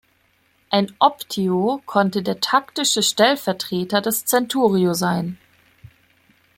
Ein Optio konnte der taktische Stellvertreter des Centurio sein.